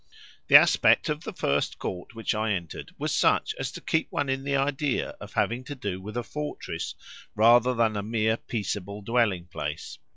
The aspect of the first court which I entered was such as to keep one in the idea of having to do with a fortress rather than a mere peaceable dwelling place.